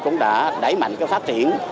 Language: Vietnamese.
cũng đã đẩy mạnh phát triển